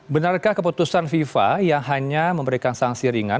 benarkah keputusan fifa yang hanya memberikan sanksi ringan